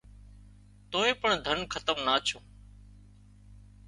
توئي پڻ ڌنَ کتم نا ڇُون